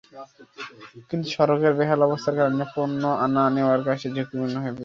কিন্তু সড়কের বেহাল অবস্থার কারণে পণ্য আনা-নেওয়ার কাজটি ঝুঁকিপূর্ণ হয়ে পড়েছে।